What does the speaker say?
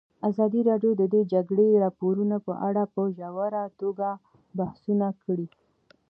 ازادي راډیو د د جګړې راپورونه په اړه په ژوره توګه بحثونه کړي.